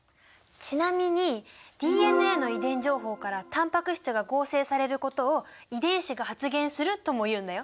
ちなみにＤＮＡの遺伝情報からタンパク質が合成されることを「遺伝子が発現する」ともいうんだよ！